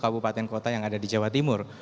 kabupaten kota yang ada di jawa timur